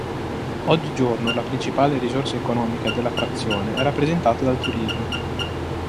Oggigiorno, la principale risorsa economica della frazione è rappresentata dal turismo.